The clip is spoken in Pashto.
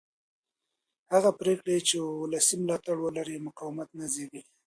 هغه پرېکړې چې ولسي ملاتړ ولري مقاومت نه زېږوي